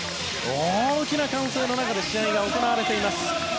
大きな歓声の中で試合が行われています。